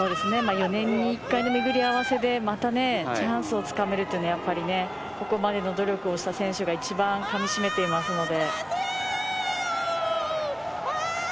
４年に一回の巡り合わせでまたチャンスをつかめるというのはここまでの努力をした選手が一番かみしめていますので。